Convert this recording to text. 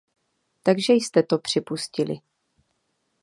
Takže jste to připustili.